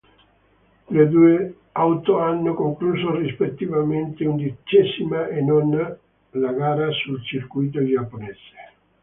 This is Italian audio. Le due auto hanno concluso rispettivamente undicesima e nona la gara sul circuito giapponese.